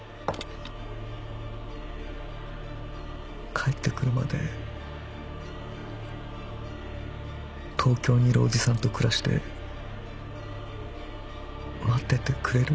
帰ってくるまで東京にいるおじさんと暮らして待っててくれる？